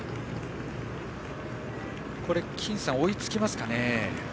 金さん、追いつきますかね。